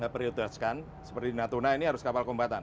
nah perlu ditujukan seperti di natuna ini harus kapal kombatan